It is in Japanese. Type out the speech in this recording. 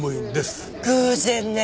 偶然ね。